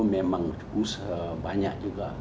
memang usaha banyak juga